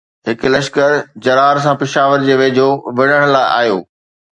هڪ لشڪر جرار سان پشاور جي ويجهو وڙهڻ لاءِ آيو